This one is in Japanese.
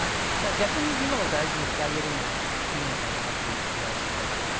逆に今を大事にしてあげるのがいいのかなっていう気はしますよね。